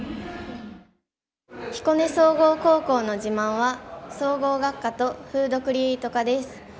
彦根総合高校の自慢は総合学科とフードクリエイト科です。